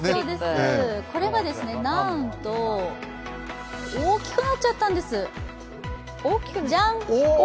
これがなんと、大きくなっちゃったんです。じゃん！